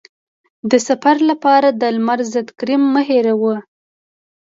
د سفر لپاره د لمر ضد کریم مه هېروه.